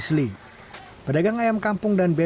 yusif adalah seorang pedagang yang berpengalaman dengan penerbangan